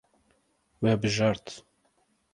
We bijart.